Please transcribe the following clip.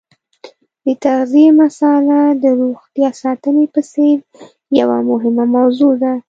د تغذیې مساله د روغتیا ساتنې په څېر یوه مهمه موضوع ده.